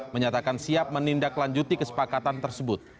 menyatakan siap menindaklanjuti kesepakatan tersebut